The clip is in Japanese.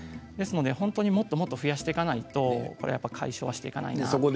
本当にもっともっと増やしていかないと解消していかないと思います。